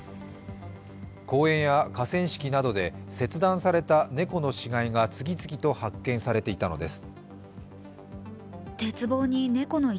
公園や河川敷などで切断された猫の死骸が次々と発見されていたのです。